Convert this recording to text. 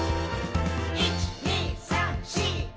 「１．２．３．４．５．」